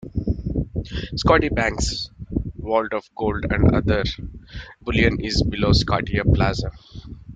Scotiabank's vault of gold and other bullion is below Scotia Plaza.